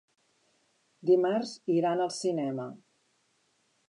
Dimarts iran al cinema.